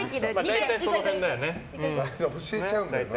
大体その辺だよね。